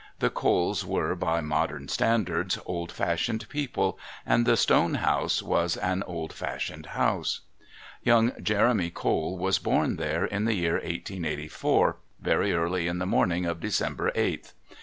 The Coles were, by modern standards, old fashioned people, and the Stone House was an old fashioned house. Young Jeremy Cole was born there in the year 1884, very early in the morning of December 8th.